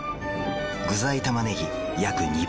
具材たまねぎ約２倍。